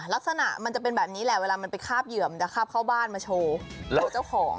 ลักษณะมันจะเป็นแบบนี้แหละเวลามันไปคาบเหยื่อมันจะคาบเข้าบ้านมาโชว์โชว์เจ้าของ